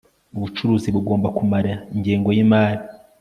ubucukuzi bugomba kumara ingengo y imari